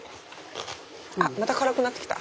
あまた辛くなってきた。